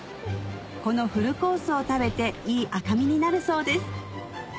このフルコースを食べていい赤身になるそうです